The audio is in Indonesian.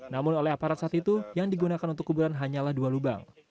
namun oleh aparat saat itu yang digunakan untuk kuburan hanyalah dua lubang